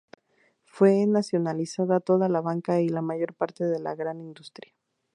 Fue nacionalizada toda la banca y la mayor parte de la gran industria.